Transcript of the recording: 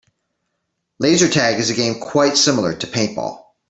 Laser tag is a game quite similar to paintball.